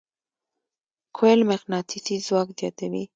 کویل مقناطیسي ځواک زیاتوي.